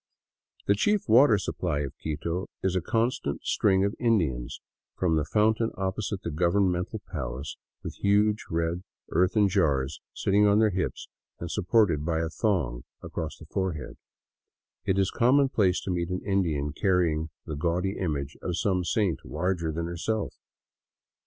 151 VAGABONDING DOWN THE ANDES The chief water supply of Quito is a constant string of Indians from the fountain opposite the government palace, with huge, red earthen jars sitting on their hips and supported by a thong across the fore head. It is a commonplace to meet an Indian carrying the gaudy image of some saint larger than himself.